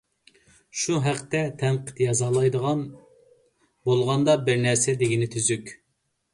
شۇ ھەقتە تەنقىد يازالايدىغان بولغاندا بىر نەرسە دېگىنى تۈزۈك.